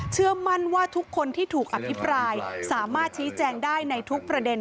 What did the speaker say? เชื่อมั่นว่าทุกคนที่ถูกอภิปรายสามารถชี้แจงได้ในทุกประเด็น